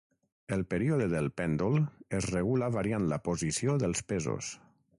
El període del pèndol es regula variant la posició dels pesos.